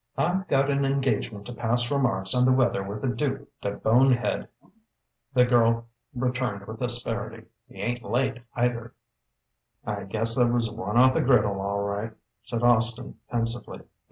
"I've got an engagement to pass remarks on the weather with the Dook de Bonehead," the girl returned with asperity. "He ain't late, either." "I guess that was one off the griddle, all right," said Austin pensively.